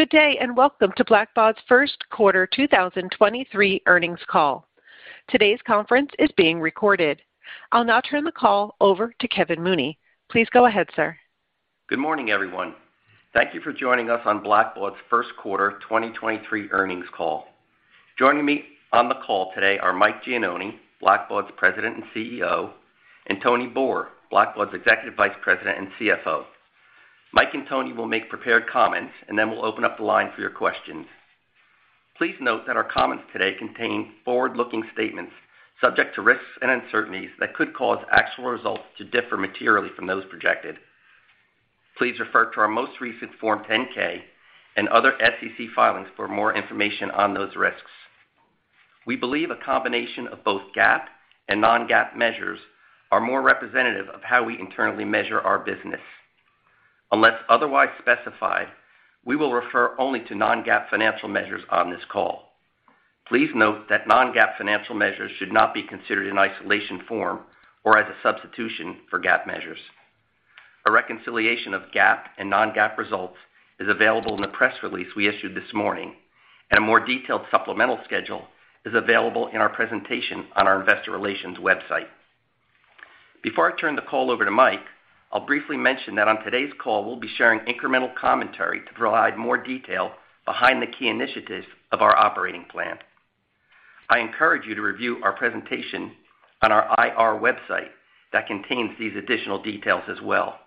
Good day, and welcome to Blackbaud's first quarter 2023 earnings call. Today's conference is being recorded. I'll now turn the call over to Kevin Mooney. Please go ahead, sir. Good morning, everyone. Thank you for joining us on Blackbaud's first quarter 2023 earnings call. Joining me on the call today are Mike Gianoni, Blackbaud's President and CEO; and Tony Boor, Blackbaud's Executive Vice President and CFO. Mike and Tony will make prepared comments, then we'll open up the line for your questions. Please note that our comments today contain forward-looking statements subject to risks and uncertainties that could cause actual results to differ materially from those projected. Please refer to our most recent Form 10-K and other SEC filings for more information on those risks. We believe a combination of both GAAP and non-GAAP measures are more representative of how we internally measure our business. Unless otherwise specified, we will refer only to non-GAAP financial measures on this call. Please note that non-GAAP financial measures should not be considered in isolation form or as a substitution for GAAP measures. A reconciliation of GAAP and non-GAAP results is available in the press release we issued this morning. A more detailed supplemental schedule is available in our presentation on our investor relations website. Before I turn the call over to Mike, I'll briefly mention that on today's call, we'll be sharing incremental commentary to provide more detail behind the key initiatives of our operating plan. I encourage you to review our presentation on our IR website that contains these additional details as well.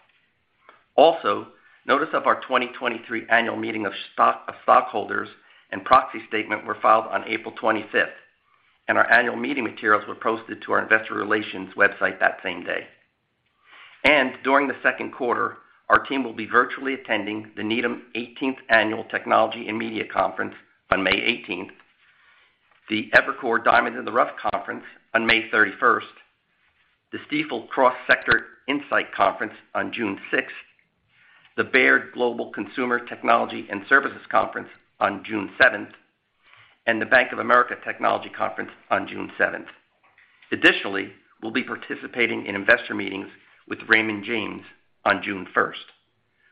Notice of our 2023 annual meeting of stockholders and proxy statement were filed on April 25th, and our annual meeting materials were posted to our investor relations website that same day. During the second quarter, our team will be virtually attending the Needham 18th Annual Technology & Media Conference on May 18th, the Evercore Diamonds in the Rough Conference on May 31st, the Stifel Cross Sector Insight Conference on June 6th, the Baird Global Consumer, Technology & Services Conference on June 7th, and the Bank of America Technology Conference on June 7th. Additionally, we'll be participating in investor meetings with Raymond James on June 1st.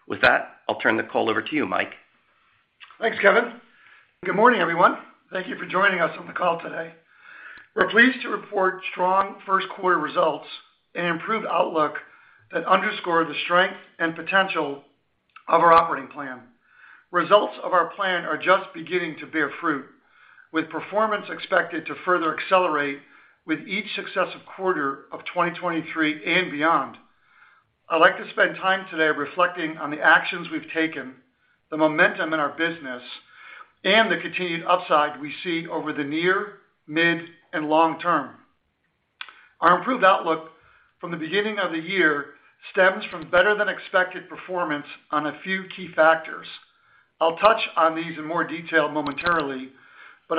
With that, I'll turn the call over to you, Mike. Thanks, Kevin. Good morning, everyone. Thank you for joining us on the call today. We're pleased to report strong first quarter results and improved outlook that underscore the strength and potential of our operating plan. Results of our plan are just beginning to bear fruit, with performance expected to further accelerate with each successive quarter of 2023 and beyond. I'd like to spend time today reflecting on the actions we've taken, the momentum in our business, and the continued upside we see over the near, mid, and long term. Our improved outlook from the beginning of the year stems from better than expected performance on a few key factors. I'll touch on these in more detail momentarily.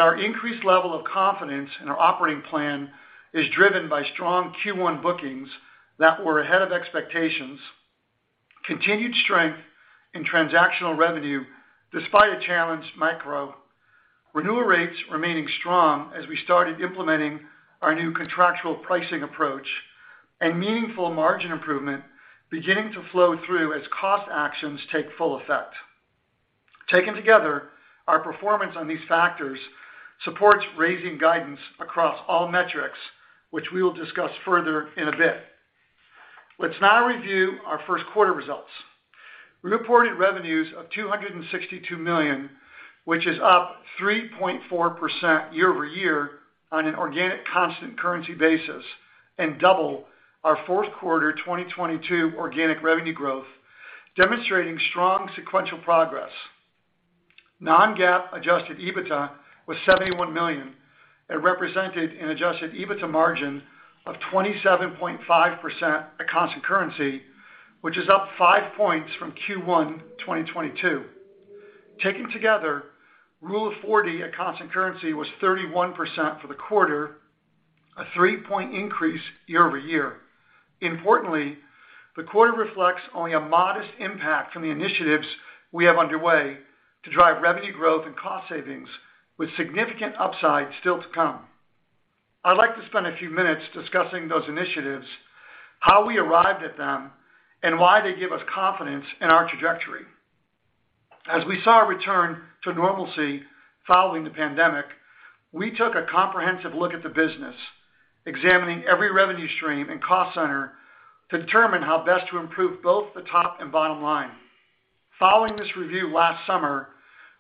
Our increased level of confidence in our operating plan is driven by strong Q1 bookings that were ahead of expectations, continued strength in transactional revenue despite a challenged micro, renewal rates remaining strong as we started implementing our new contractual pricing approach, and meaningful margin improvement beginning to flow through as cost actions take full effect. Taken together, our performance on these factors supports raising guidance across all metrics, which we will discuss further in a bit. Let's now review our first quarter results. We reported revenues of $262 million, which is up 3.4% year-over-year on an organic constant currency basis and double our fourth quarter 2022 organic revenue growth, demonstrating strong sequential progress. Non-GAAP adjusted EBITDA was $71 million. It represented an adjusted EBITDA margin of 27.5% at constant currency, which is up 5 points from Q1 2022. Taken together, Rule of 40 at constant currency was 31% for the quarter, a 3-point increase year-over-year. Importantly, the quarter reflects only a modest impact from the initiatives we have underway to drive revenue growth and cost savings, with significant upside still to come. I'd like to spend a few minutes discussing those initiatives, how we arrived at them, and why they give us confidence in our trajectory. As we saw a return to normalcy following the pandemic, we took a comprehensive look at the business, examining every revenue stream and cost center to determine how best to improve both the top and bottom line. Following this review last summer,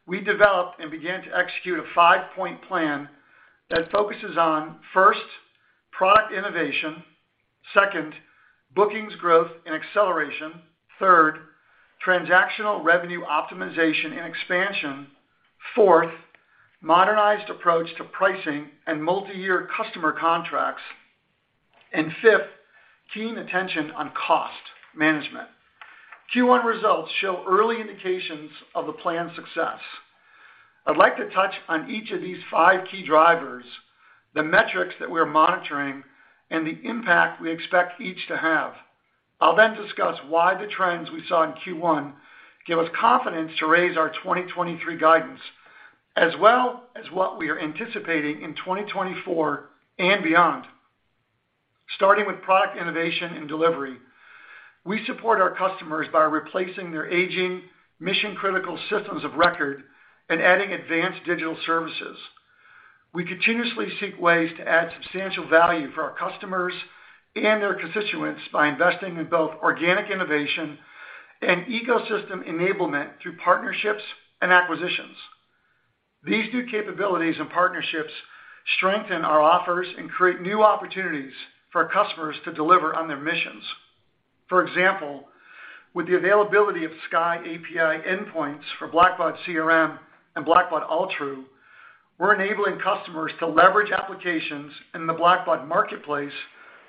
we developed and began to execute a 5-point plan that focuses on, first, product innovation; second, bookings growth and acceleration; third, transactional revenue optimization and expansion; fourth, modernized approach to pricing and multi-year customer contracts; and fifth, keen attention on cost management. Q1 results show early indications of the plan's success. I'd like to touch on each of these five key drivers, the metrics that we're monitoring, and the impact we expect each to have. I'll then discuss why the trends we saw in Q1 give us confidence to raise our 2023 guidance, as well as what we are anticipating in 2024 and beyond. Starting with product innovation and delivery. We support our customers by replacing their aging mission-critical systems of record and adding advanced digital services. We continuously seek ways to add substantial value for our customers and their constituents by investing in both organic innovation and ecosystem enablement through partnerships and acquisitions. These new capabilities and partnerships strengthen our offers and create new opportunities for our customers to deliver on their missions. For example, with the availability of SKY API endpoints for Blackbaud CRM and Blackbaud Altru, we're enabling customers to leverage applications in the Blackbaud Marketplace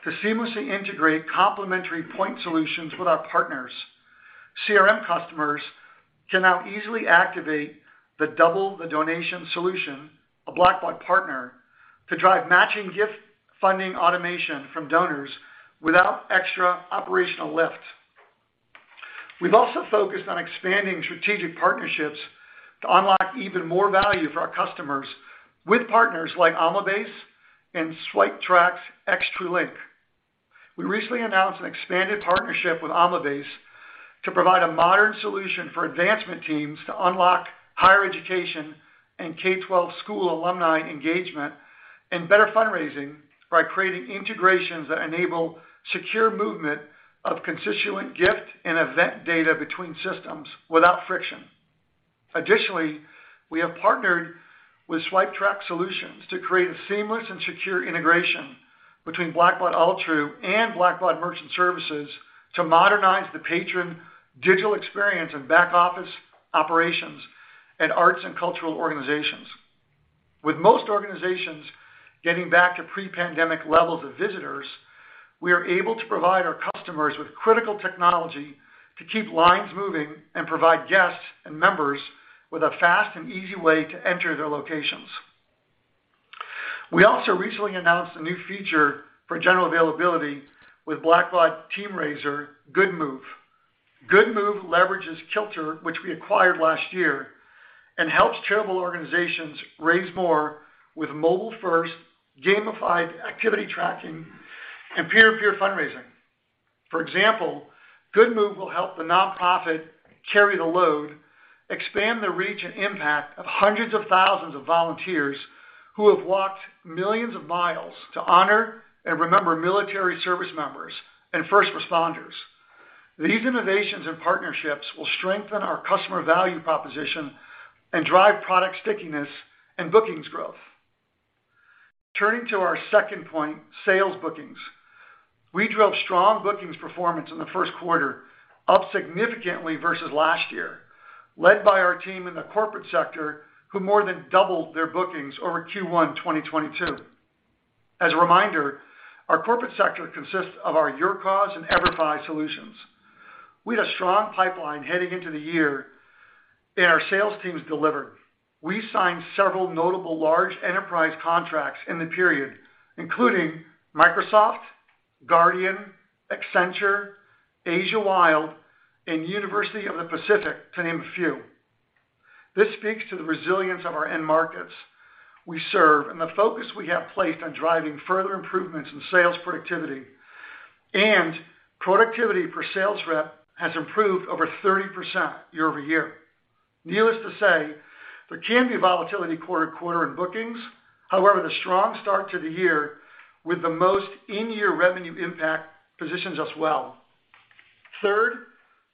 to seamlessly integrate complementary point solutions with our partners. CRM customers can now easily activate the Double the Donation solution, a Blackbaud partner, to drive matching gift funding automation from donors without extra operational lift. We've also focused on expanding strategic partnerships to unlock even more value for our customers with partners like Almabase and SwipeTrack Solutions XTruLink. We recently announced an expanded partnership with Almabase to provide a modern solution for advancement teams to unlock higher education and K-12 school alumni engagement and better fundraising by creating integrations that enable secure movement of constituent gift and event data between systems without friction. Additionally, we have partnered with SwipeTrack Solutions to create a seamless and secure integration between Blackbaud Altru and Blackbaud Merchant Services to modernize the patron digital experience and back office operations at arts and cultural organizations. With most organizations getting back to pre-pandemic levels of visitors, we are able to provide our customers with critical technology to keep lines moving and provide guests and members with a fast and easy way to enter their locations. We also recently announced a new feature for general availability with Blackbaud TeamRaiser, Good Move. Good Move leverages Kilter, which we acquired last year, and helps charitable organizations raise more with mobile-first gamified activity tracking and peer-to-peer fundraising. For example, Good Move will help the nonprofit Carry The Load expand the reach and impact of hundreds of thousands of volunteers who have walked millions of miles to honor and remember military service members and first responders. These innovations and partnerships will strengthen our customer value proposition and drive product stickiness and bookings growth. Turning to our second point, sales bookings. We drove strong bookings performance in the first quarter, up significantly versus last year, led by our team in the corporate sector who more than doubled their bookings over Q1 2022. As a reminder, our corporate sector consists of our YourCause and EVERFI solutions. We had a strong pipeline heading into the year and our sales teams delivered. We signed several notable large enterprise contracts in the period, including Microsoft, Guardian, Accenture, Asia Wild, and University of the Pacific, to name a few. This speaks to the resilience of our end markets we serve and the focus we have placed on driving further improvements in sales productivity and productivity per sales rep has improved over 30% year-over-year. Needless to say, there can be volatility quarter-to-quarter in bookings. The strong start to the year with the most in-year revenue impact positions us well.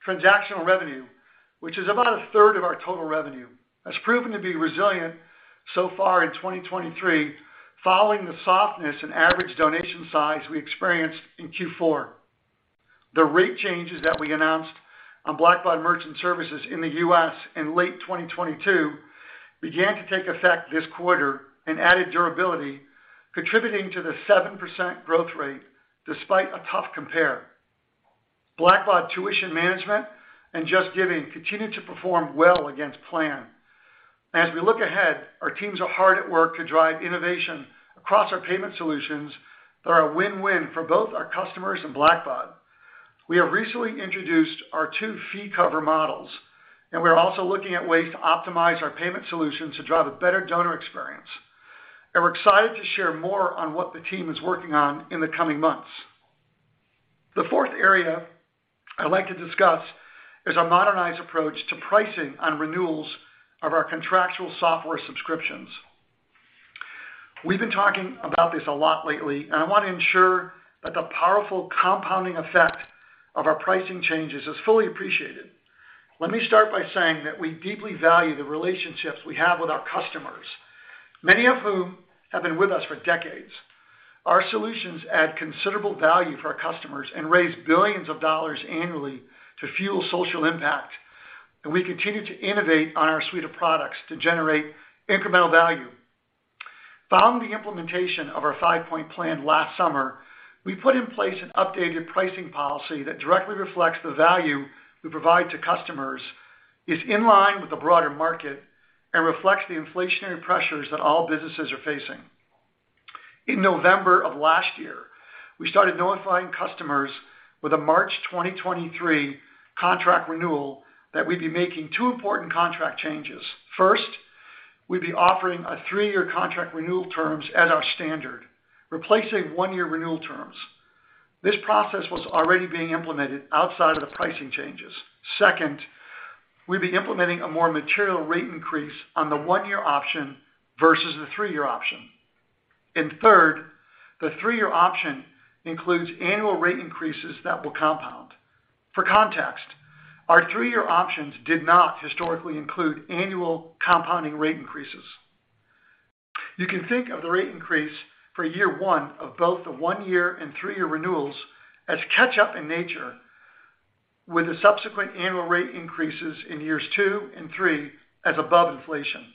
Transactional revenue, which is about a third of our total revenue, has proven to be resilient so far in 2023 following the softness in average donation size we experienced in Q4. The rate changes that we announced on Blackbaud Merchant Services in the U.S. in late 2022 began to take effect this quarter and added durability, contributing to the 7% growth rate despite a tough compare. Blackbaud Tuition Management and JustGiving continued to perform well against plan. As we look ahead, our teams are hard at work to drive innovation across our payment solutions that are a win-win for both our customers and Blackbaud. We have recently introduced our two fee cover models, and we are also looking at ways to optimize our payment solutions to drive a better donor experience. We're excited to share more on what the team is working on in the coming months. The fourth area I'd like to discuss is our modernized approach to pricing on renewals of our contractual software subscriptions. We've been talking about this a lot lately, and I want to ensure that the powerful compounding effect of our pricing changes is fully appreciated. Let me start by saying that we deeply value the relationships we have with our customers, many of whom have been with us for decades. Our solutions add considerable value for our customers and raise billions of dollars annually to fuel social impact, and we continue to innovate on our suite of products to generate incremental value. Following the implementation of our 5-point plan last summer, we put in place an updated pricing policy that directly reflects the value we provide to customers, is in line with the broader market, and reflects the inflationary pressures that all businesses are facing. In November of last year, we started notifying customers with a March 2023 contract renewal that we'd be making two important contract changes. First, we'll be offering three -year contract renewal terms as our standard, replacing one-year renewal terms. This process was already being implemented outside of the pricing changes. Second, we'll be implementing a more material rate increase on the one-year option versus the three-year option. Third, the three-year option includes annual rate increases that will compound. For context, our three-year options did not historically include annual compounding rate increases. You can think of the rate increase for year one of both the one-year and three-year renewals as catch-up in nature with the subsequent annual rate increases in years two and three as above inflation.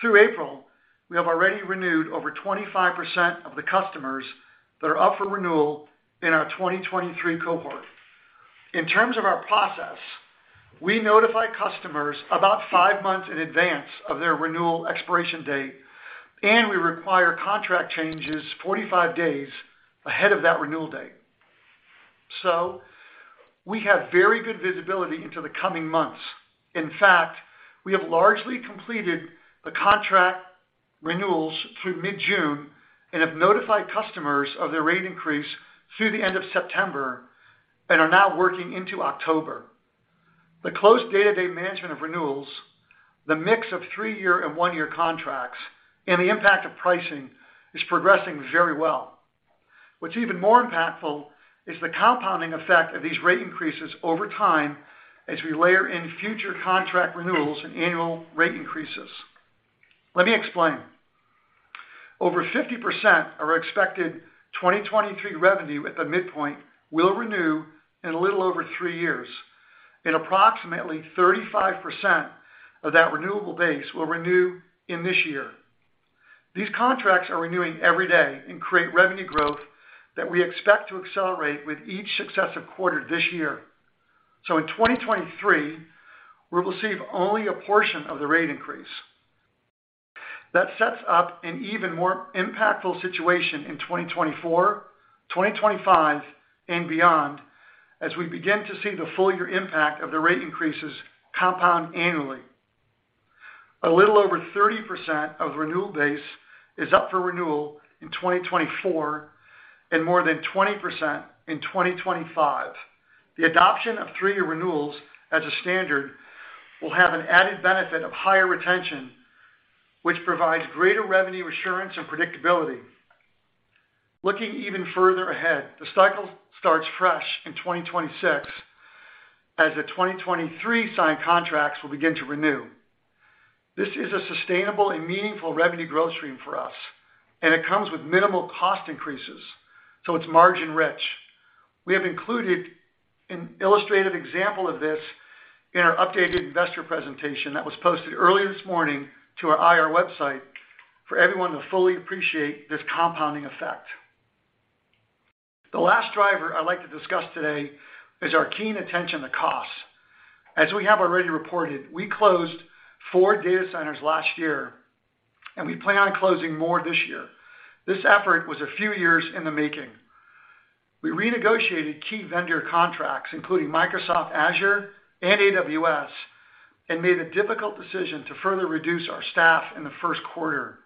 Through April, we have already renewed over 25% of the customers that are up for renewal in our 2023 cohort. In terms of our process, we notify customers about five months in advance of their renewal expiration date, and we require contract changes 45 days ahead of that renewal date. We have very good visibility into the coming months. In fact, we have largely completed the contract renewals through mid-June and have notified customers of their rate increase through the end of September and are now working into October. The close day-to-day management of renewals, the mix of three-year and one-year contracts, and the impact of pricing is progressing very well. What's even more impactful is the compounding effect of these rate increases over time as we layer in future contract renewals and annual rate increases. Let me explain. Over 50% of our expected 2023 revenue at the midpoint will renew in a little over three years, and approximately 35% of that renewable base will renew in this year. These contracts are renewing every day and create revenue growth that we expect to accelerate with each successive quarter this year. In 2023, we'll receive only a portion of the rate increase. That sets up an even more impactful situation in 2024, 2025, and beyond, as we begin to see the full year impact of the rate increases compound annually. A little over 30% of renewal base is up for renewal in 2024, and more than 20% in 2025. The adoption of three-year renewals as a standard will have an added benefit of higher retention, which provides greater revenue assurance and predictability. Looking even further ahead, the cycle starts fresh in 2026 as the 2023 signed contracts will begin to renew. This is a sustainable and meaningful revenue growth stream for us, and it comes with minimal cost increases, so it's margin rich. We have included an illustrative example of this in our updated investor presentation that was posted early this morning to our IR website for everyone to fully appreciate this compounding effect. The last driver I'd like to discuss today is our keen attention to costs. As we have already reported, we closed four data centers last year, and we plan on closing more this year. This effort was a few years in the making. We renegotiated key vendor contracts, including Microsoft Azure and AWS, and made a difficult decision to further reduce our staff in the first quarter.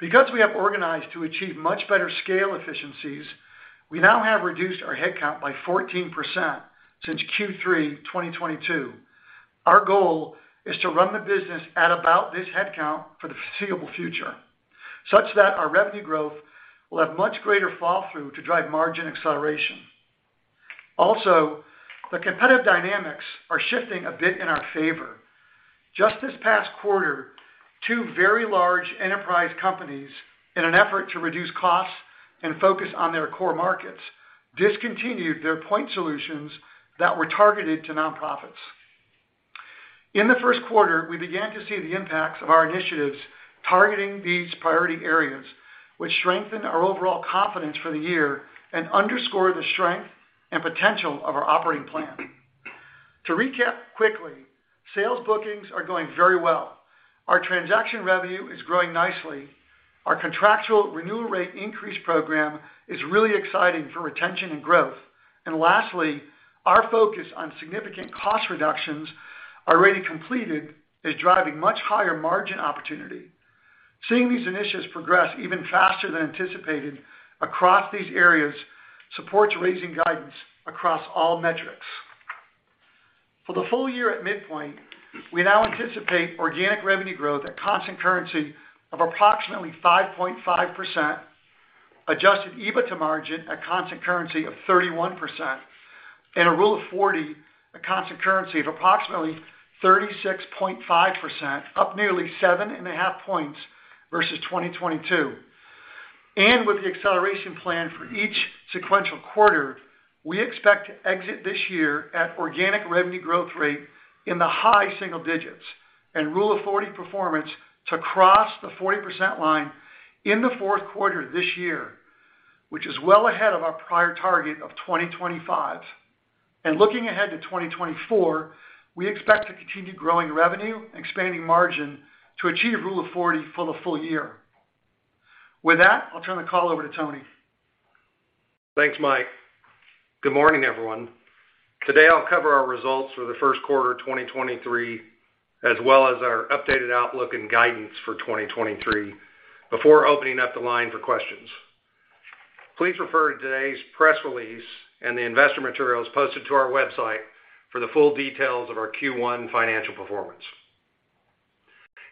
We have organized to achieve much better scale efficiencies, we now have reduced our headcount by 14% since Q3 2022. Our goal is to run the business at about this headcount for the foreseeable future, such that our revenue growth will have much greater fall through to drive margin acceleration. The competitive dynamics are shifting a bit in our favor. Just this past quarter, two very large enterprise companies, in an effort to reduce costs and focus on their core markets, discontinued their point solutions that were targeted to nonprofits. In the first quarter, we began to see the impacts of our initiatives targeting these priority areas, which strengthened our overall confidence for the year and underscored the strength and potential of our operating plan. To recap quickly, sales bookings are going very well. Our transaction revenue is growing nicely. Our contractual renewal rate increase program is really exciting for retention and growth. Lastly, our focus on significant cost reductions already completed is driving much higher margin opportunity. Seeing these initiatives progress even faster than anticipated across these areas supports raising guidance across all metrics. For the full year at midpoint, we now anticipate organic revenue growth at constant currency of approximately 5.5%, adjusted EBITDA margin at constant currency of 31%, and a Rule of 40 at constant currency of approximately 36.5%, up nearly 7.5 points versus 2022. With the acceleration plan for each sequential quarter, we expect to exit this year at organic revenue growth rate in the high single digits and Rule of 40 performance to cross the 40% line in the fourth quarter this year, which is well ahead of our prior target of 2025. Looking ahead to 2024, we expect to continue growing revenue and expanding margin to achieve Rule of 40 for the full year. With that, I'll turn the call over to Tony. Thanks, Mike. Good morning, everyone. Today, I'll cover our results for the first quarter of 2023, as well as our updated outlook and guidance for 2023, before opening up the line for questions. Please refer to today's press release and the investor materials posted to our website for the full details of our Q1 financial performance.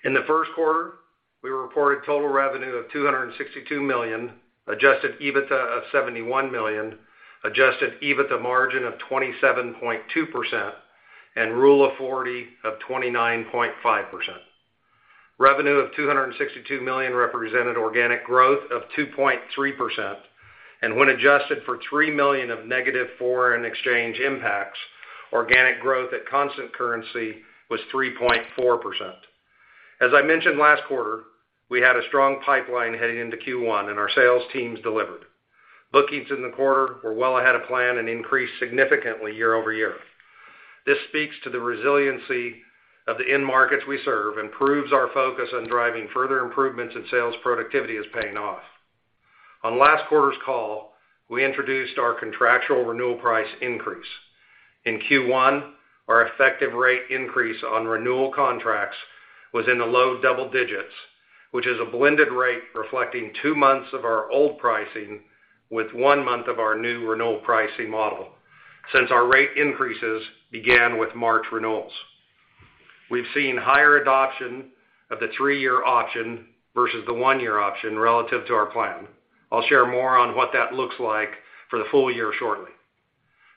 In the first quarter, we reported total revenue of $262 million, adjusted EBITDA of $71 million, adjusted EBITDA margin of 27.2%, and Rule of 40 of 29.5%. Revenue of $262 million represented organic growth of 2.3%, and when adjusted for $3 million of negative foreign exchange impacts, organic growth at constant currency was 3.4%. As I mentioned last quarter, we had a strong pipeline heading into Q1, and our sales teams delivered. Bookings in the quarter were well ahead of plan and increased significantly year-over-year. This speaks to the resiliency of the end markets we serve and proves our focus on driving further improvements in sales productivity is paying off. On last quarter's call, we introduced our contractual renewal price increase. In Q1, our effective rate increase on renewal contracts was in the low double digits, which is a blended rate reflecting two months of our old pricing with one month of our new renewal pricing model. Since our rate increases began with March renewals, we've seen higher adoption of the three-year option versus the one-year option relative to our plan. I'll share more on what that looks like for the full year shortly.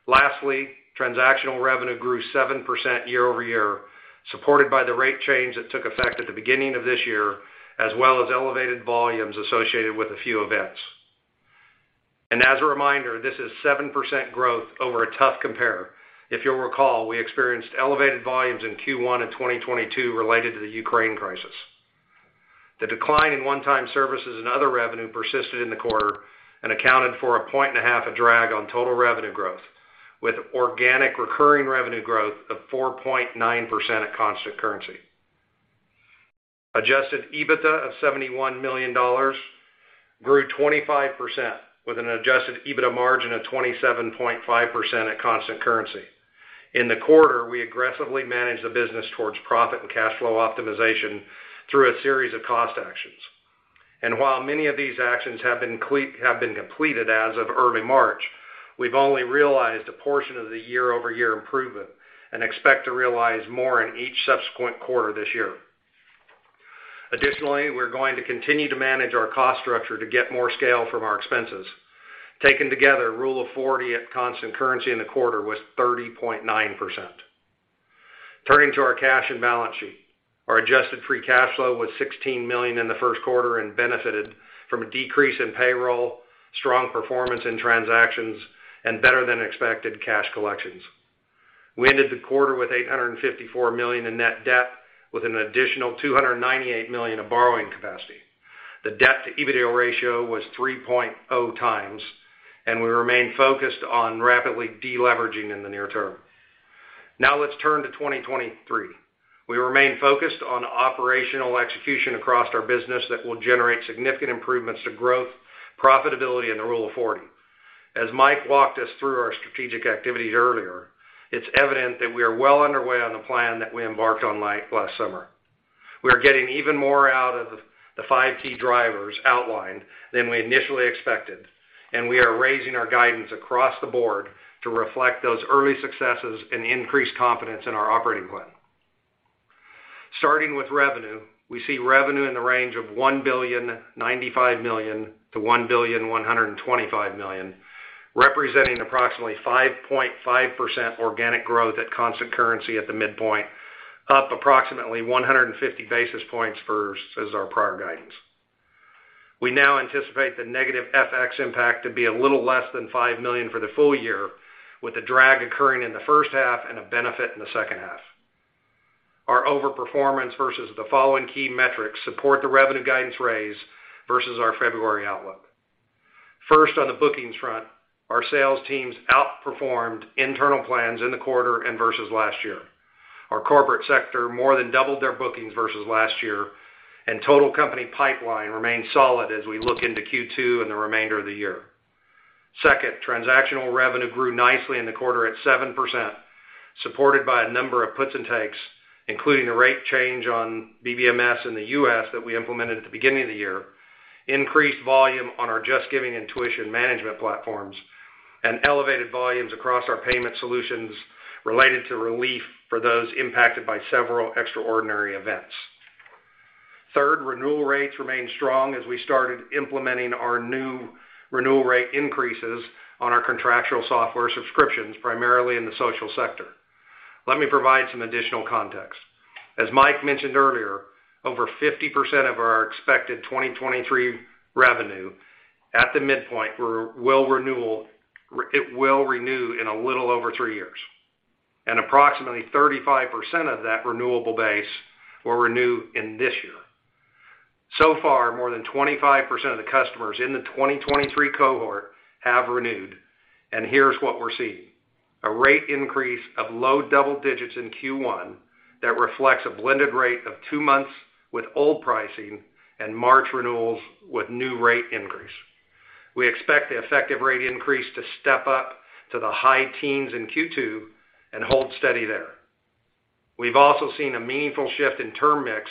Lastly, transactional revenue grew 7% year-over-year, supported by the rate change that took effect at the beginning of this year, as well as elevated volumes associated with a few events. As a reminder, this is 7% growth over a tough compare. If you'll recall, we experienced elevated volumes in Q1 in 2022 related to the Ukraine crisis. The decline in one-time services and other revenue persisted in the quarter and accounted for a 1.5 point of drag on total revenue growth, with organic recurring revenue growth of 4.9% at constant currency. Adjusted EBITDA of $71 million grew 25% with an adjusted EBITDA margin of 27.5% at constant currency. In the quarter, we aggressively managed the business towards profit and cash flow optimization through a series of cost actions. While many of these actions have been completed as of early March, we've only realized a portion of the year-over-year improvement and expect to realize more in each subsequent quarter this year. Additionally, we're going to continue to manage our cost structure to get more scale from our expenses. Taken together, Rule of 40 at constant currency in the quarter was 30.9%. Turning to our cash and balance sheet. Our adjusted free cash flow was $16 million in the first quarter and benefited from a decrease in payroll, strong performance in transactions, and better-than-expected cash collections. We ended the quarter with $854 million in net debt with an additional $298 million of borrowing capacity. The debt-to-EBITDA ratio was 3.0 times. We remain focused on rapidly deleveraging in the near term. Now let's turn to 2023. We remain focused on operational execution across our business that will generate significant improvements to growth, profitability, and the Rule of 40. As Mike walked us through our strategic activities earlier, it's evident that we are well underway on the plan that we embarked on last summer. We are getting even more out of the 5 key drivers outlined than we initially expected, and we are raising our guidance across the board to reflect those early successes and increased confidence in our operating plan. Starting with revenue, we see revenue in the range of $1.095 billion-$1.125 billion, representing approximately 5.5% organic growth at constant currency at the midpoint, up approximately 150 basis points versus our prior guidance. We now anticipate the negative FX impact to be a little less than $5 million for the full year, with a drag occurring in the first half and a benefit in the second half. Our overperformance versus the following key metrics support the revenue guidance raise versus our February outlook. First, on the bookings front, our sales teams outperformed internal plans in the quarter and versus last year. Our corporate sector more than doubled their bookings versus last year. Total company pipeline remains solid as we look into Q2 and the remainder of the year. Transactional revenue grew nicely in the quarter at 7%, supported by a number of puts and takes, including a rate change on BBMS in the U.S. that we implemented at the beginning of the year, increased volume on our JustGiving and Tuition Management platforms, and elevated volumes across our payment solutions related to relief for those impacted by several extraordinary events. Renewal rates remain strong as we started implementing our new renewal rate increases on our contractual software subscriptions, primarily in the social sector. Let me provide some additional context. As Mike mentioned earlier, over 50% of our expected 2023 revenue at the midpoint it will renew in a little over three years, and approximately 35% of that renewable base will renew in this year. So far, more than 25% of the customers in the 2023 cohort have renewed. Here's what we're seeing. A rate increase of low double digits in Q1 that reflects a blended rate of two months with old pricing and March renewals with new rate increase. We expect the effective rate increase to step up to the high teens in Q2 and hold steady there. We've also seen a meaningful shift in term mix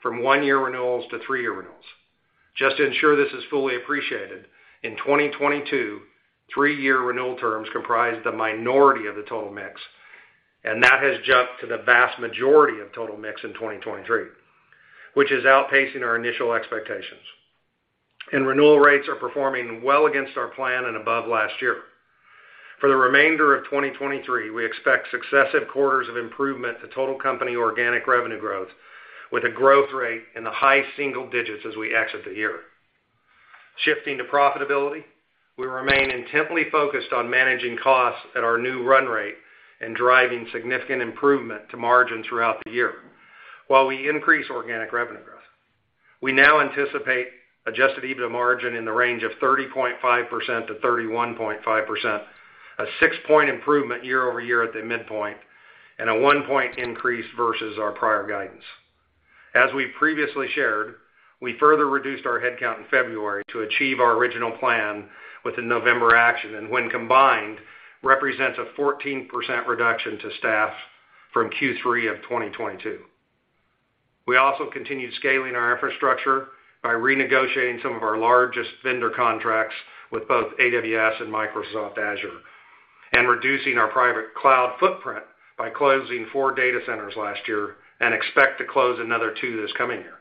from one-year renewals to three-year renewals. Just to ensure this is fully appreciated, in 2022, three-year renewal terms comprised the minority of the total mix, and that has jumped to the vast majority of total mix in 2023, which is outpacing our initial expectations. Renewal rates are performing well against our plan and above last year. For the remainder of 2023, we expect successive quarters of improvement to total company organic revenue growth, with a growth rate in the high single digits as we exit the year. Shifting to profitability, we remain intently focused on managing costs at our new run rate and driving significant improvement to margin throughout the year while we increase organic revenue growth. We now anticipate adjusted EBITDA margin in the range of 30.5%-31.5%, a 6-point improvement year-over-year at the midpoint and a 1-point increase versus our prior guidance. As we previously shared, we further reduced our headcount in February to achieve our original plan with the November action, and when combined, represents a 14% reduction to staff from Q3 of 2022. We also continued scaling our infrastructure by renegotiating some of our largest vendor contracts with both AWS and Microsoft Azure and reducing our private cloud footprint by closing four data centers last year and expect to close another two this coming year.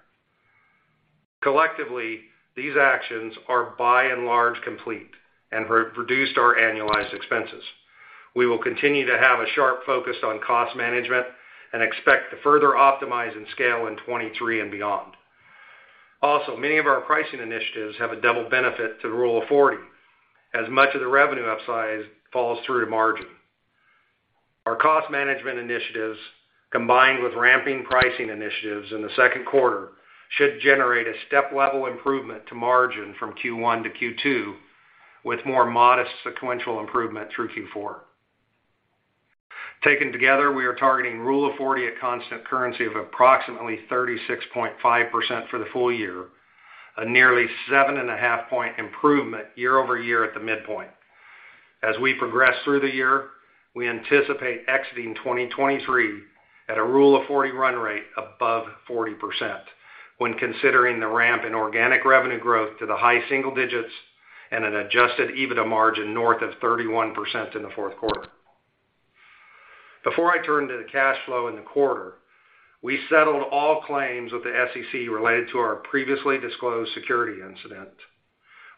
Collectively, these actions are by and large complete and have reduced our annualized expenses. We will continue to have a sharp focus on cost management and expect to further optimize and scale in 2023 and beyond. Many of our pricing initiatives have a double benefit to Rule of 40 as much of the revenue upsize falls through to margin. Our cost management initiatives, combined with ramping pricing initiatives in the second quarter, should generate a step-level improvement to margin from Q1 to Q2, with more modest sequential improvement through Q4. Taken together, we are targeting Rule of 40 at constant currency of approximately 36.5% for the full year, a nearly 7.5 point improvement year-over-year at the midpoint. As we progress through the year, we anticipate exiting 2023 at a Rule of 40 run rate above 40% when considering the ramp in organic revenue growth to the high single digits and an adjusted EBITDA margin north of 31% in the fourth quarter. Before I turn to the cash flow in the quarter, we settled all claims with the SEC related to our previously disclosed security incident.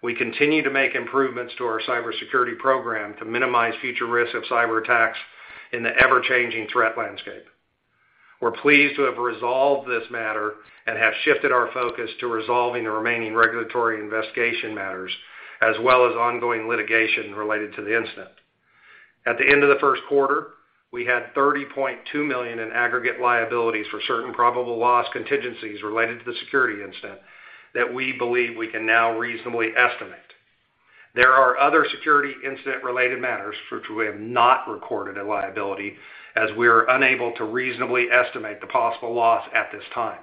We continue to make improvements to our cybersecurity program to minimize future risks of cyberattacks in the ever-changing threat landscape. We're pleased to have resolved this matter and have shifted our focus to resolving the remaining regulatory investigation matters, as well as ongoing litigation related to the incident. At the end of the first quarter, we had $30.2 million in aggregate liabilities for certain probable loss contingencies related to the security incident that we believe we can now reasonably estimate. There are other security incident-related matters for which we have not recorded a liability, as we are unable to reasonably estimate the possible loss at this time.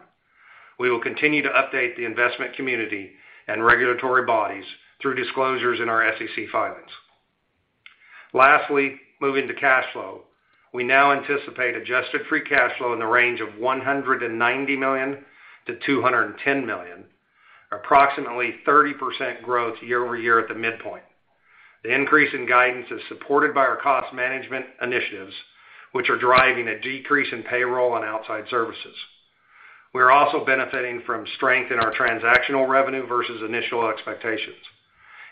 We will continue to update the investment community and regulatory bodies through disclosures in our SEC filings. Lastly, moving to cash flow. We now anticipate adjusted free cash flow in the range of $190 million-$210 million, approximately 30% growth year-over-year at the midpoint. The increase in guidance is supported by our cost management initiatives, which are driving a decrease in payroll and outside services.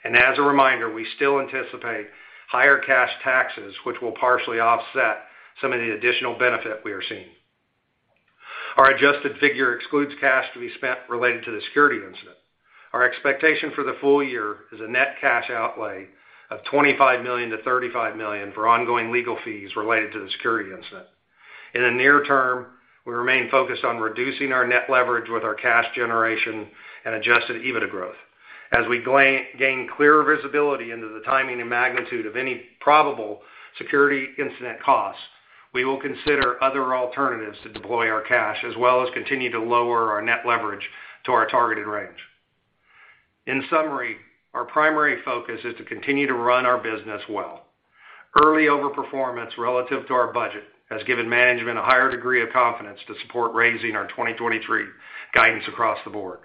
As a reminder, we still anticipate higher cash taxes, which will partially offset some of the additional benefit we are seeing. Our adjusted figure excludes cash to be spent related to the security incident. Our expectation for the full year is a net cash outlay of $25 million-$35 million for ongoing legal fees related to the security incident. In the near term, we remain focused on reducing our net leverage with our cash generation and adjusted EBITDA growth. As we gain clearer visibility into the timing and magnitude of any probable security incident costs, we will consider other alternatives to deploy our cash, as well as continue to lower our net leverage to our targeted range. In summary, our primary focus is to continue to run our business well. Early overperformance relative to our budget has given management a higher degree of confidence to support raising our 2023 guidance across the board.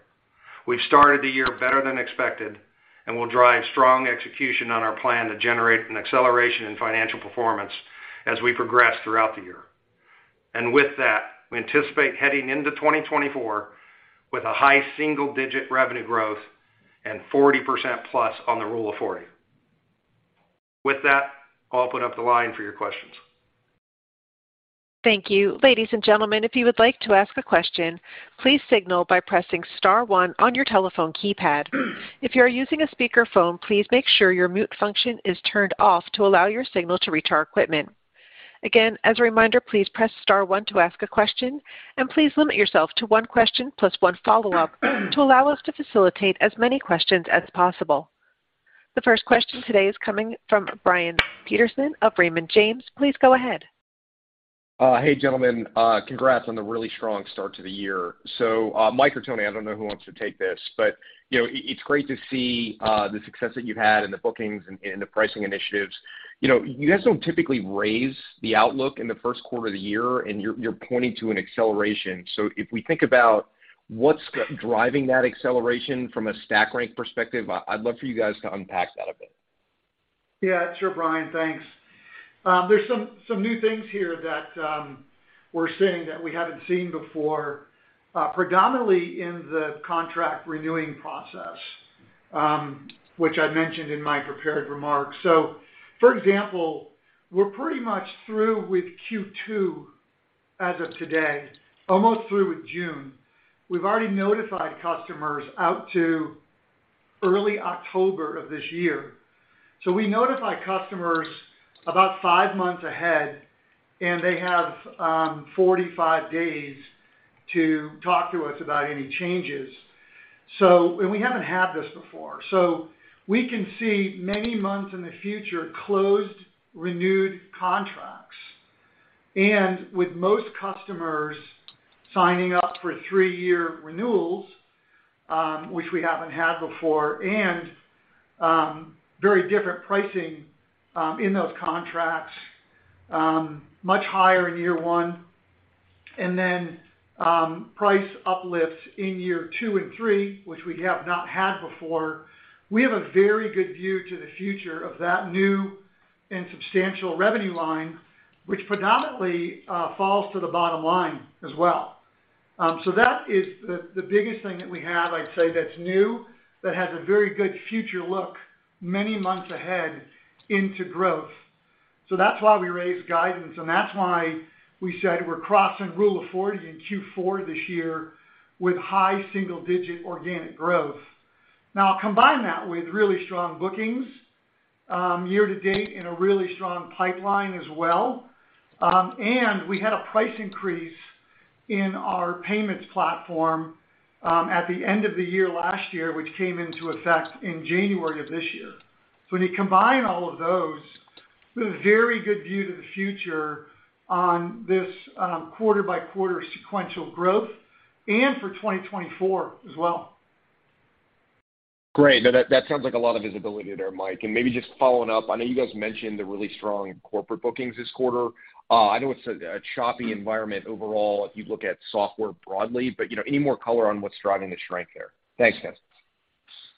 We've started the year better than expected and will drive strong execution on our plan to generate an acceleration in financial performance as we progress throughout the year. With that, we anticipate heading into 2024 with a high single-digit revenue growth and 40% plus on the Rule of 40. With that, I'll open up the line for your questions. Thank you. Ladies and gentlemen, if you would like to ask a question, please signal by pressing star one on your telephone keypad. If you are using a speakerphone, please make sure your mute function is turned off to allow your signal to reach our equipment. Again, as a reminder, please press star one to ask a question, and please limit yourself to one question plus one follow-up to allow us to facilitate as many questions as possible. The first question today is coming from Brian Peterson of Raymond James. Please go ahead. Hey, gentlemen. Congrats on the really strong start to the year. Mike or Tony, I don't know who wants to take this, but, you know, it's great to see the success that you've had in the bookings and the pricing initiatives. You know, you guys don't typically raise the outlook in the 1st quarter of the year, and you're pointing to an acceleration. If we think about what's driving that acceleration from a StackRank perspective, I'd love for you guys to unpack that a bit. Sure, Brian. Thanks. There's some new things here that we're seeing that we haven't seen before, predominantly in the contract renewing process, which I mentioned in my prepared remarks. For example, we're pretty much through with Q2 as of today, almost through with June. We've already notified customers out to early October of this year. We notify customers about five months ahead, and they have 45 days to talk to us about any changes. We haven't had this before. We can see many months in the future closed, renewed contracts. With most customers signing up for three-year renewals, which we haven't had before, and very different pricing in those contracts, much higher in year 1, and then price uplifts in year two and three, which we have not had before. We have a very good view to the future of that new and substantial revenue line, which predominantly falls to the bottom line as well. That is the biggest thing that we have, I'd say, that's new, that has a very good future look many months ahead into growth. That's why we raised guidance, and that's why we said we're crossing Rule of 40 in Q4 this year with high single-digit organic growth. Combine that with really strong bookings year to date in a really strong pipeline as well. We had a price increase in our payments platform at the end of the year last year, which came into effect in January of this year. When you combine all of those, we have a very good view to the future on this, quarter-by-quarter sequential growth and for 2024 as well. Great. That sounds like a lot of visibility there, Mike. Maybe just following up, I know you guys mentioned the really strong corporate bookings this quarter. I know it's a choppy environment overall if you look at software broadly, but, you know, any more color on what's driving the strength there? Thanks, guys.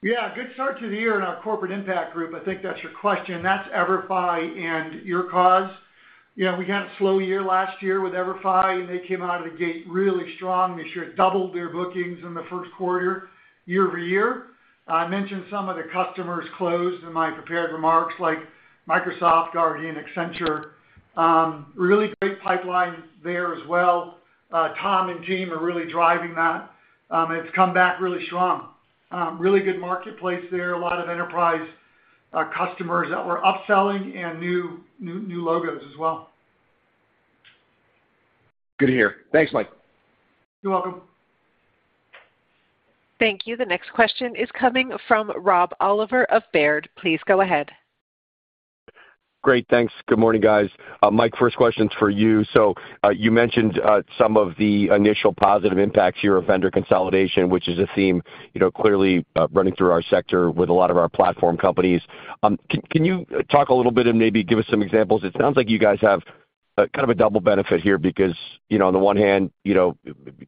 Good start to the year in our corporate impact group. I think that's your question. That's EVERFI and YourCause. You know, we had a slow year last year with EVERFI, and they came out of the gate really strong this year, doubled their bookings in the first quarter year-over-year. I mentioned some of the customers closed in my prepared remarks, like Microsoft already and Accenture. Really great pipeline there as well. Tom and Jean are really driving that. It's come back really strong. Really good marketplace there, a lot of enterprise customers that we're upselling and new logos as well. Good to hear. Thanks, Mike. You're welcome. Thank you. The next question is coming from Rob Oliver of Baird. Please go ahead. Great. Thanks. Good morning, guys. Mike, first question's for you. You mentioned some of the initial positive impacts here of vendor consolidation, which is a theme, you know, clearly running through our sector with a lot of our platform companies. Can you talk a little bit and maybe give us some examples? It sounds like you guys have kind of a double benefit here because, you know, on the one hand, you know,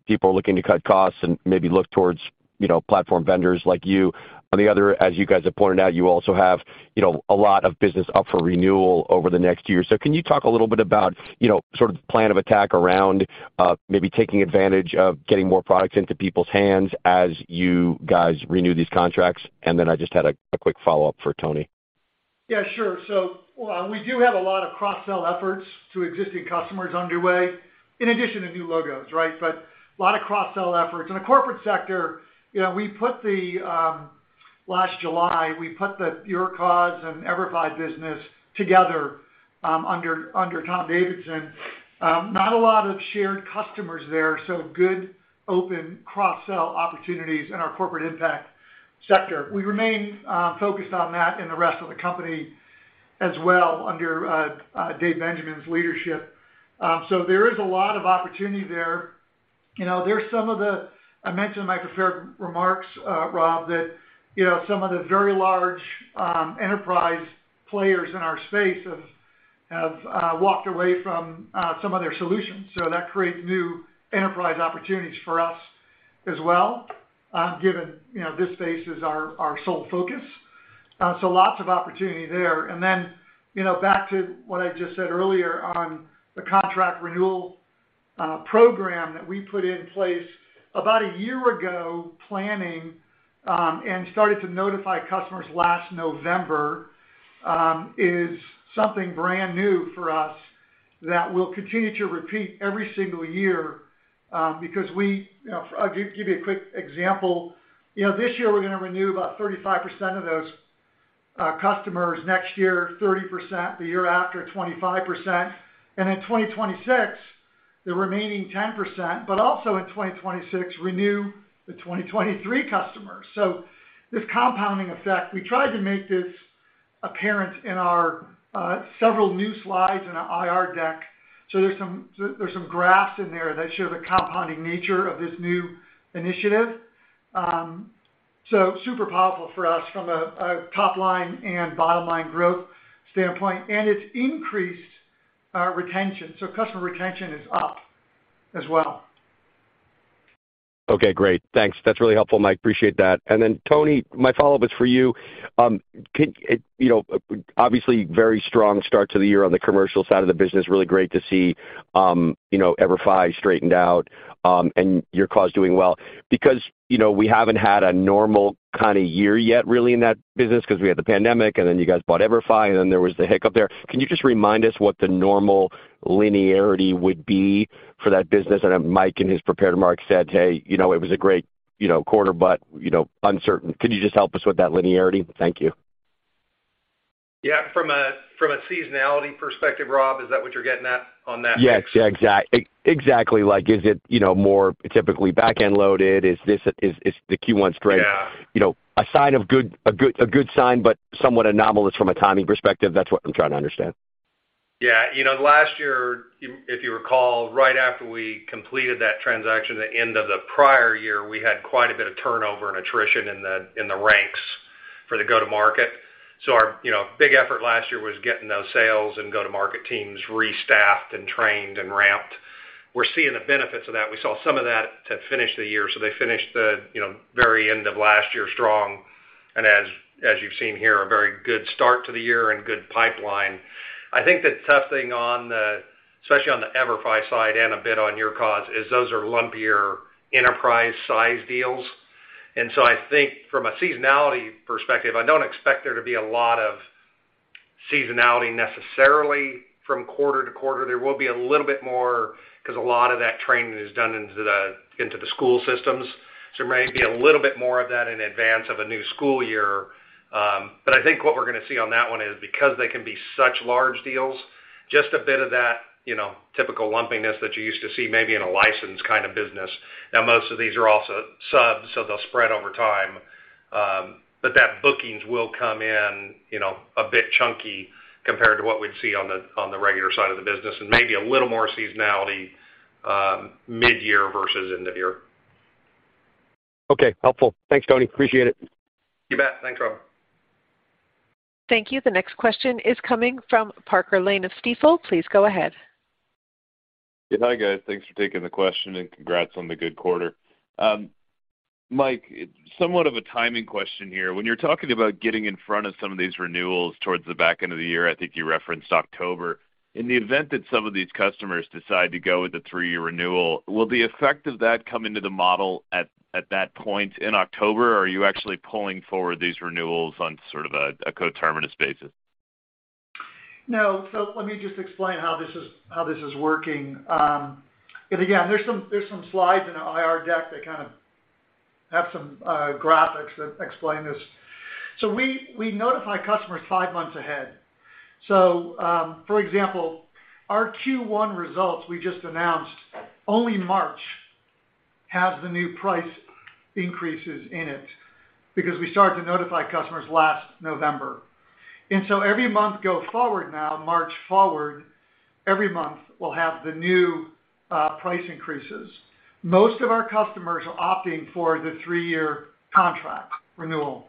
people are looking to cut costs and maybe look towards, you know, platform vendors like you. On the other, as you guys have pointed out, you also have, you know, a lot of business up for renewal over the next year. Can you talk a little bit about, you know, sort of plan of attack around maybe taking advantage of getting more products into people's hands as you guys renew these contracts? I just had a quick follow-up for Tony. Sure. We do have a lot of cross-sell efforts to existing customers underway in addition to new logos, right? A lot of cross-sell efforts. In the corporate sector, you know, we put the Last July, we put the YourCause and EVERFI business together under Tom Davidson. Not a lot of shared customers there, so good open cross-sell opportunities in our corporate impact sector. We remain focused on that and the rest of the company as well under David Benjamin's leadership. There is a lot of opportunity there. You know, there's some of the... I mentioned in my prepared remarks, Rob, that, you know, some of the very large enterprise players in our space have walked away from some other solutions. That creates new enterprise opportunities for us as well, given, you know, this space is our sole focus. Lots of opportunity there. Then, you know, back to what I just said earlier on the contract renewal program that we put in place about a year ago, planning, and started to notify customers last November, is something brand new for us that we'll continue to repeat every single year, because we. You know, I'll give you a quick example. You know, this year we're gonna renew about 35% of Our customers next year, 30%, the year after, 25%. In 2026, the remaining 10%, but also in 2026 renew the 2023 customers. This compounding effect, we tried to make this apparent in our several new slides in our IR deck. There's some graphs in there that show the compounding nature of this new initiative. Super powerful for us from a top line and bottom line growth standpoint, and it's increased our retention. Customer retention is up as well. Okay, great. Thanks. That's really helpful, Mike. Appreciate that. Tony, my follow-up is for you. You know, obviously, very strong start to the year on the commercial side of the business, really great to see, you know, EVERFI straightened out, and YourCause doing well. You know, we haven't had a normal kinda year yet really in that business because we had the pandemic, and then you guys bought EVERFI, and then there was the hiccup there. Can you just remind us what the normal linearity would be for that business? I know Mike in his prepared remarks said, "Hey, you know, it was a great, you know, quarter, but, you know, uncertain." Could you just help us with that linearity? Thank you. Yeah. From a seasonality perspective, Rob, is that what you're getting at on that piece? Yes. Yeah, exactly. Like, is it, you know, more typically back-end loaded? Is this, is the Q1 strength- Yeah. You know, a sign of good, a good sign, but somewhat anomalous from a timing perspective. That's what I'm trying to understand. You know, last year, if you recall, right after we completed that transaction at the end of the prior year, we had quite a bit of turnover and attrition in the, in the ranks for the go-to-market. Our, you know, big effort last year was getting those sales and go-to-market teams restaffed and trained and ramped. We're seeing the benefits of that. We saw some of that to finish the year. They finished the, you know, very end of last year strong. As, as you've seen here, a very good start to the year and good pipeline. I think the tough thing on the, especially on the EVERFI side and a bit on YourCause is those are lumpier enterprise size deals. I think from a seasonality perspective, I don't expect there to be a lot of seasonality necessarily from quarter to quarter. There will be a little bit more because a lot of that training is done into the, into the school systems. There may be a little bit more of that in advance of a new school year. I think what we're gonna see on that one is because they can be such large deals, just a bit of that, you know, typical lumpiness that you used to see maybe in a license kind of business. Most of these are also subs, so they'll spread over time. That bookings will come in, you know, a bit chunky compared to what we'd see on the, on the regular side of the business. Maybe a little more seasonality, mid-year versus end of year. Okay, helpful. Thanks, Tony. Appreciate it. You bet. Thanks, Rob. Thank you. The next question is coming from Parker Lane of Stifel. Please go ahead. Hi, guys. Thanks for taking the question, and congrats on the good quarter. Mike, somewhat of a timing question here. When you're talking about getting in front of some of these renewals towards the back end of the year, I think you referenced October. In the event that some of these customers decide to go with the three-year renewal, will the effect of that come into the model at that point in October? Are you actually pulling forward these renewals on sort of a coterminous basis? No. Let me just explain how this is, how this is working. Again, there's some slides in the IR deck that kind of have some graphics that explain this. We notify customers five months ahead. For example, our Q1 results we just announced, only March has the new price increases in it because we started to notify customers last November. Every month go forward now, March forward, every month we'll have the new price increases. Most of our customers are opting for the three-year contract renewal.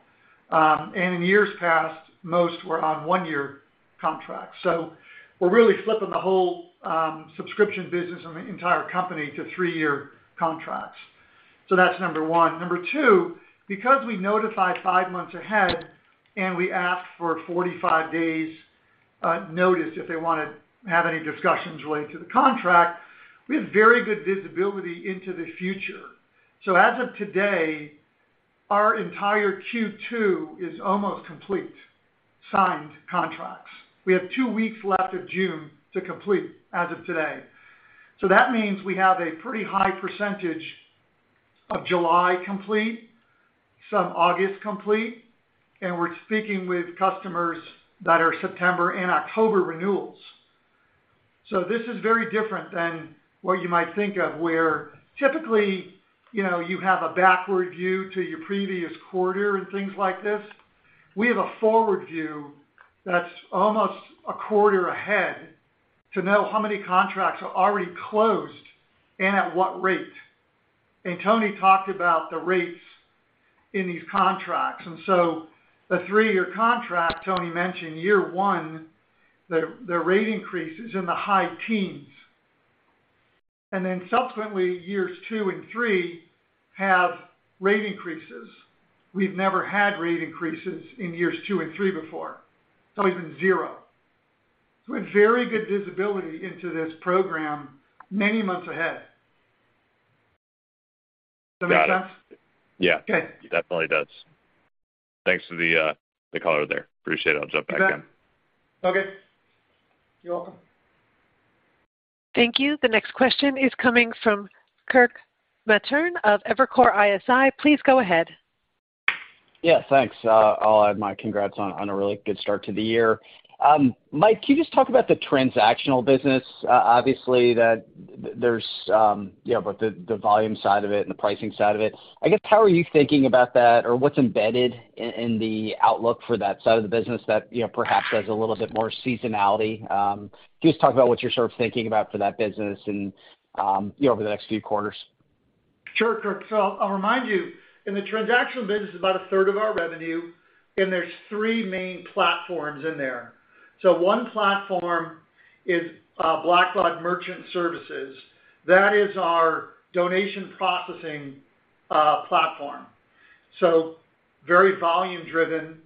In years past, most were on one-year contracts. We're really flipping the whole subscription business and the entire company to three-year contracts. That's number one. Number two, because we notify five months ahead and we ask for 45 days notice if they wanna have any discussions related to the contract, we have very good visibility into the future. As of today, our entire Q2 is almost complete signed contracts. We have two weeks left of June to complete as of today. That means we have a pretty high percentage of July complete, some August complete, and we're speaking with customers that are September and October renewals. This is very different than what you might think of, where typically, you know, you have a backward view to your previous quarter and things like this. We have a forward view that's almost a quarter ahead to know how many contracts are already closed and at what rate. Tony talked about the rates in these contracts. The three-year contract, Tony mentioned year one, the rate increase is in the high teens. Subsequently, years two and three have rate increases. We've never had rate increases in years two and three before. It's always been zero. We have very good visibility into this program many months ahead. Does that make sense? Got it. Yeah. Okay. It definitely does. Thanks for the color there. Appreciate it. I'll jump back in. You bet. Okay. You're welcome. Thank you. The next question is coming from Kirk Materne of Evercore ISI. Please go ahead. Yeah, thanks. I'll add my congrats on a really good start to the year. Mike, can you just talk about the transactional business? obviously that there's, you know, about the volume side of it and the pricing side of it. I guess, how are you thinking about that? Or what's embedded in the outlook for that side of the business that, you know, perhaps has a little bit more seasonality? can you just talk about what you're sort of thinking about for that business and, you know, over the next few quarters? Sure, Kirk. I'll remind you, in the transactional business, about a third of our revenue, and there's three main platforms in there. One platform is Blackbaud Merchant Services. That is our donation processing platform. Very volume-driven,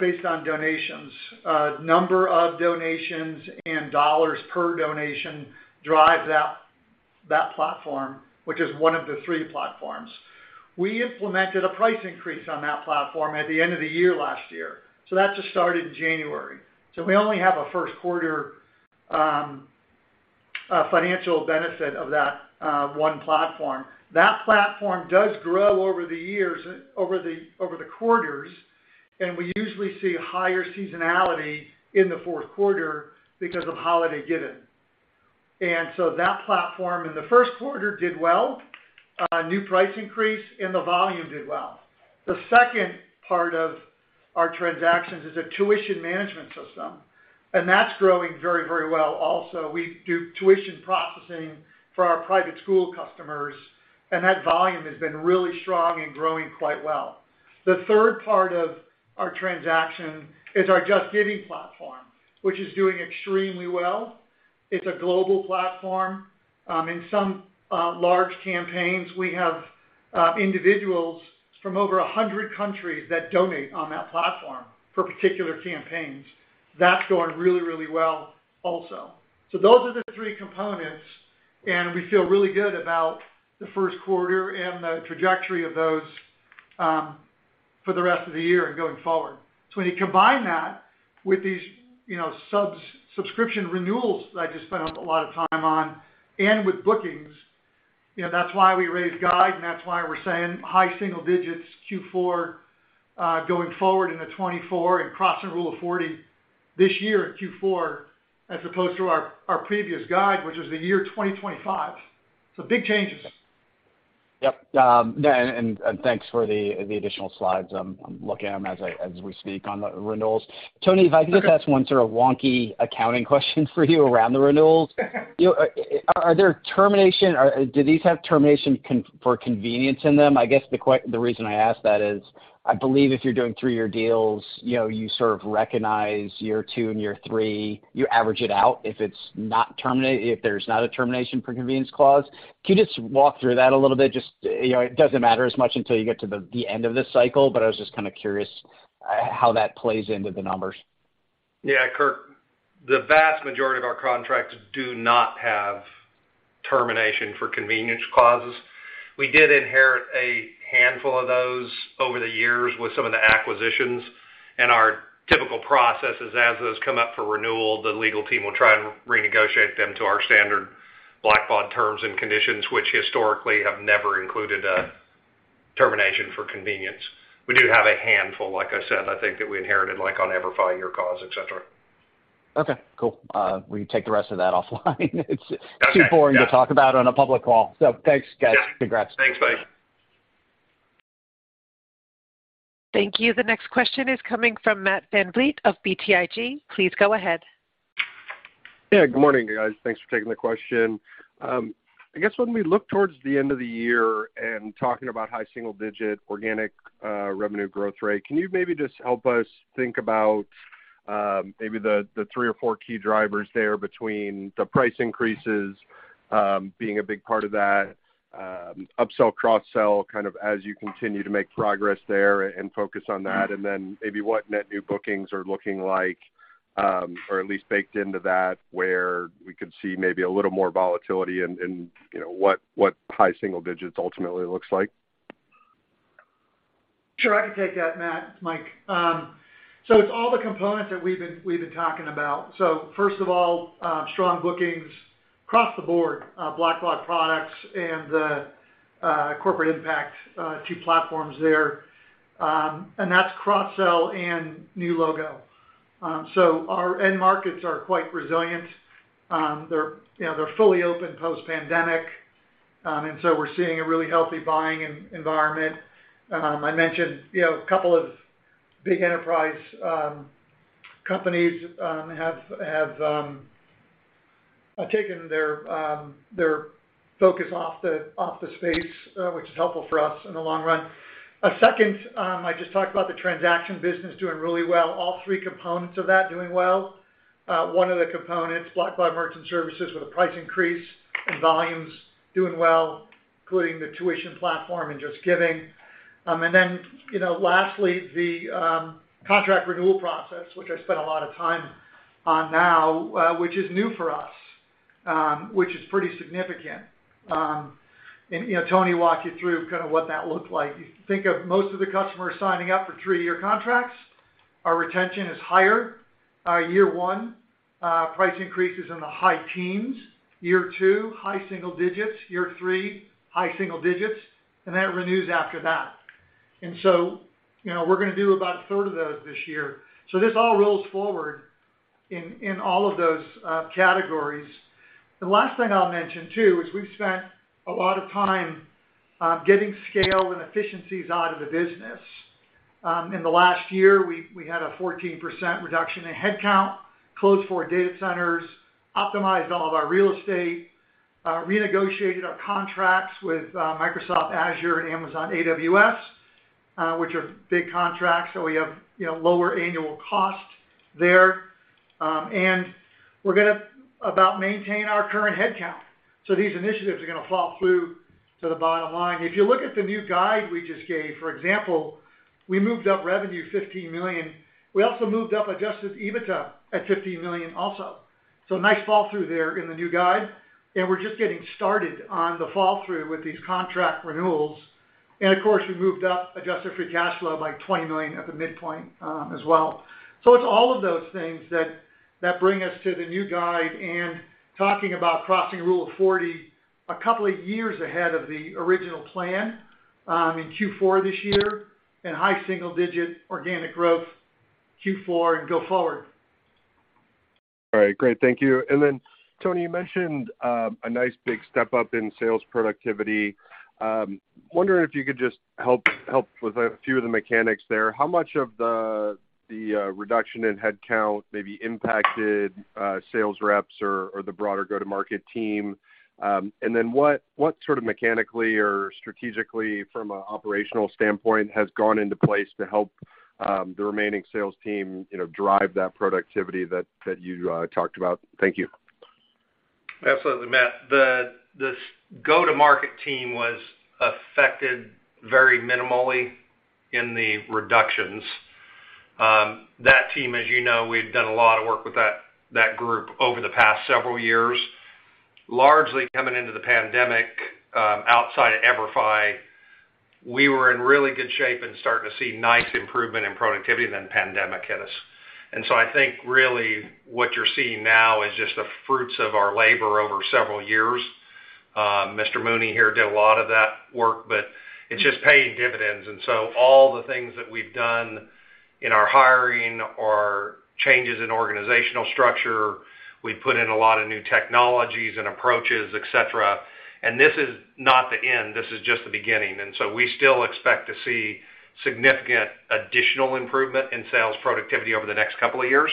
based on donations. Number of donations and dollars per donation drives that platform, which is one of the three platforms. We implemented a price increase on that platform at the end of the year, last year, so that just started in January. We only have a first quarter financial benefit of that one platform. That platform does grow over the years, over the quarters, and we usually see higher seasonality in the fourth quarter because of holiday giving. That platform in the first quarter did well. New price increase, and the volume did well. The second part of our transactions is a Tuition Management system, and that's growing very, very well also. We do tuition processing for our private school customers, and that volume has been really strong and growing quite well. The third part of our transaction is our JustGiving platform, which is doing extremely well. It's a global platform. In some large campaigns, we have individuals from over 100 countries that donate on that platform for particular campaigns. That's going really, really well also. Those are the three components, and we feel really good about the first quarter and the trajectory of those for the rest of the year and going forward. When you combine that with these, you know, subscription renewals that I just spent a lot of time on and with bookings, you know, that's why we raised guide, and that's why we're saying high single digits Q4 going forward into 2024 and crossing Rule of 40 this year in Q4 as opposed to our previous guide, which was the year 2025. Big changes. Thanks for the additional slides. I'm looking at them as we speak on the renewals. Tony. Sure. if I can just ask one sort of wonky accounting question for you around the renewals. Okay. You know, are there termination or do these have termination for convenience in them? I guess the reason I ask that is, I believe if you're doing three-year deals, you know, you sort of recognize year two and year three. You average it out if there's not a termination for convenience clause. Can you just walk through that a little bit? Just, you know, it doesn't matter as much until you get to the end of this cycle, but I was just kind of curious how that plays into the numbers. Yeah, Kirk. The vast majority of our contracts do not have termination for convenience clauses. We did inherit a handful of those over the years with some of the acquisitions. Our typical process is, as those come up for renewal, the legal team will try and renegotiate them to our standard Blackbaud terms and conditions, which historically have never included a termination for convenience. We do have a handful, like I said, I think that we inherited, like on every five-year cause, et cetera. Okay, cool. We can take the rest of that offline. Okay. Yeah. -too boring to talk about on a public call. Thanks, guys. Yeah. Congrats. Thanks, Mike. Thank you. The next question is coming from Matt VanVliet of BTIG. Please go ahead. Yeah, good morning, guys. Thanks for taking the question. I guess when we look towards the end of the year and talking about high single-digit organic revenue growth rate, can you maybe just help us think about maybe the three or four key drivers there between the price increases being a big part of that, upsell, cross-sell, kind of as you continue to make progress there and focus on that, and then maybe what net new bookings are looking like, or at least baked into that, where we could see maybe a little more volatility and, you know, what high single digits ultimately looks like? Sure, I can take that, Matt. Mike. It's all the components that we've been talking about. First of all, strong bookings across the board, Blackbaud products and the Corporate Impact, two platforms there. That's cross-sell and new logo. Our end markets are quite resilient. They're, you know, they're fully open post-pandemic. We're seeing a really healthy buying environment. I mentioned, you know, a couple of big enterprise companies have taken their focus off the space, which is helpful for us in the long run. A second, I just talked about the transaction business doing really well, all 3 components of that doing well. One of the components, Blackbaud Merchant Services with a price increase and volumes doing well, including the tuition platform and JustGiving. You know, lastly, the contract renewal process, which I spent a lot of time on now, which is new for us, which is pretty significant. You know, Tony walked you through kind of what that looked like. You think of most of the customers signing up for three-year contracts. Our retention is higher. Our year one price increase is in the high teens. Year two, high single digits. Year three, high single digits. That renews after that. You know, we're gonna do about a third of those this year. This all rolls forward in all of those categories. The last thing I'll mention too is we've spent a lot of time getting scale and efficiencies out of the business. In the last year, we had a 14% reduction in headcount, closed four data centers, optimized all of our real estate, renegotiated our contracts with Microsoft Azure and Amazon AWS, which are big contracts, so we have, you know, lower annual cost there. We're gonna about maintain our current headcount. These initiatives are gonna fall through to the bottom line. If you look at the new guide we just gave, for example, we moved up revenue $50 million. We also moved up adjusted EBITDA at $50 million also. Nice fall-through there in the new guide. We're just getting started on the fall-through with these contract renewals. Of course, we moved up adjusted free cash flow by $20 million at the midpoint, as well. It's all of those things that bring us to the new guide and talking about crossing Rule of 40 a couple of years ahead of the original plan, in Q4 this year. High single digit organic growth Q4 and go forward. All right. Great. Thank you. Tony, you mentioned a nice big step up in sales productivity. Wondering if you could just help with a few of the mechanics there. How much of the reduction in headcount maybe impacted sales reps or the broader go-to-market team? What sort of mechanically or strategically from an operational standpoint has gone into place to help the remaining sales team, you know, drive that productivity that you talked about? Thank you. Absolutely, Matt. The go-to-market team was affected very minimally in the reductions. That team, as you know, we've done a lot of work with that group over the past several years. Largely coming into the pandemic, outside EVERFI, we were in really good shape and starting to see nice improvement in productivity, then pandemic hit us. I think really what you're seeing now is just the fruits of our labor over several years. Mr. Mooney here did a lot of that work, it's just paying dividends. All the things that we've done in our hiring or changes in organizational structure, we put in a lot of new technologies and approaches, et cetera. This is not the end, this is just the beginning. We still expect to see significant additional improvement in sales productivity over the next couple of years.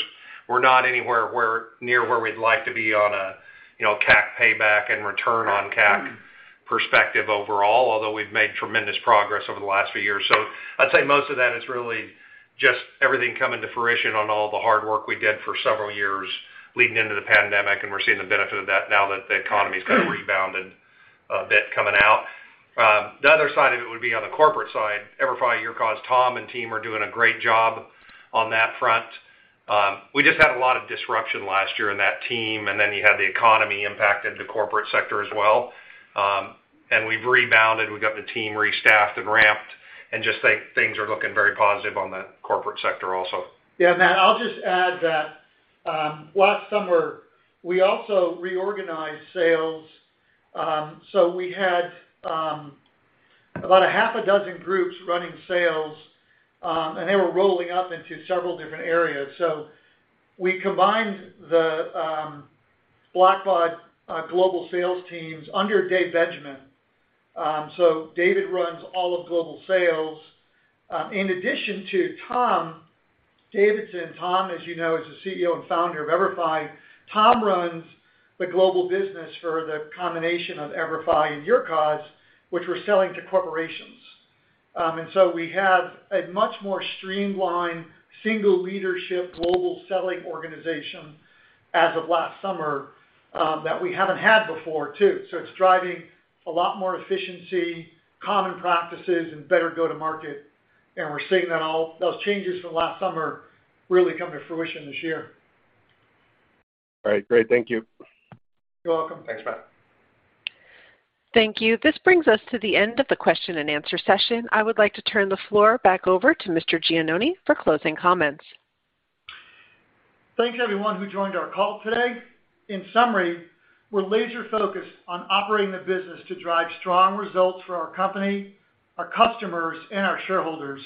We're not anywhere near where we'd like to be on a, you know, CAC payback and return on CAC perspective overall, although we've made tremendous progress over the last few years. I'd say most of that is really just everything coming to fruition on all the hard work we did for several years leading into the pandemic, and we're seeing the benefit of that now that the economy's kind of rebounded a bit coming out. The other side of it would be on the corporate side. EVERFI and YourCause, Tom and team are doing a great job on that front. We just had a lot of disruption last year in that team, and then you had the economy impacted the corporate sector as well. We've rebounded. We got the team restaffed and ramped, just like things are looking very positive on the corporate sector also. Yeah, Matt, I'll just add that last summer, we also reorganized sales. We had about a half a dozen groups running sales, and they were rolling up into several different areas. We combined the Blackbaud global sales teams under David Benjamin. David runs all of global sales. In addition to Tom, David's and Tom, as you know, is the CEO and founder of EVERFI. Tom runs the global business for the combination of EVERFI and YourCause, which we're selling to corporations. We have a much more streamlined, single leadership, global selling organization as of last summer, that we haven't had before too. It's driving a lot more efficiency, common practices and better go-to-market, and we're seeing that all those changes from last summer really come to fruition this year. All right. Great. Thank you. You're welcome. Thanks, Matt. Thank you. This brings us to the end of the question and answer session. I would like to turn the floor back over to Mr. Giannone for closing comments. Thanks everyone who joined our call today. In summary, we're laser-focused on operating the business to drive strong results for our company, our customers, and our shareholders.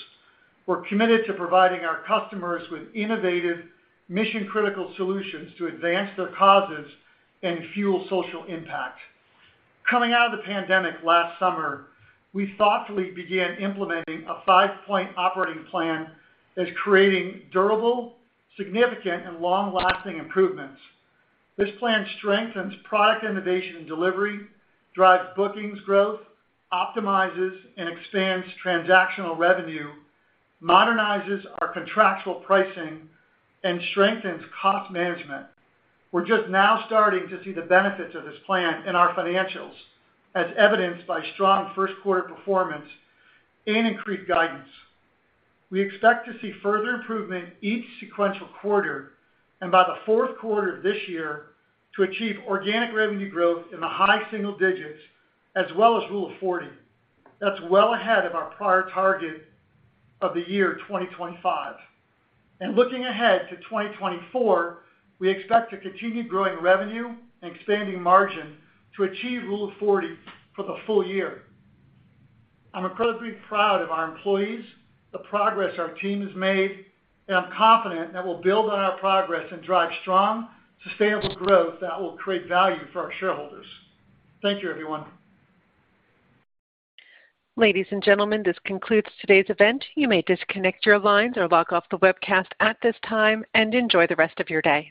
We're committed to providing our customers with innovative mission-critical solutions to advance their causes and fuel social impact. Coming out of the pandemic last summer, we thoughtfully began implementing a 5-point operating plan that's creating durable, significant, and long-lasting improvements. This plan strengthens product innovation and delivery, drives bookings growth, optimizes and expands transactional revenue, modernizes our contractual pricing, and strengthens cost management. We're just now starting to see the benefits of this plan in our financials, as evidenced by strong first quarter performance and increased guidance. We expect to see further improvement each sequential quarter, and by the fourth quarter of this year to achieve organic revenue growth in the high single digits as well as Rule of 40. That's well ahead of our prior target of the year 2025. Looking ahead to 2024, we expect to continue growing revenue and expanding margin to achieve Rule of 40 for the full year. I'm incredibly proud of our employees, the progress our team has made, and I'm confident that we'll build on our progress and drive strong, sustainable growth that will create value for our shareholders. Thank you, everyone. Ladies and gentlemen, this concludes today's event. You may disconnect your lines or log off the webcast at this time, and enjoy the rest of your day.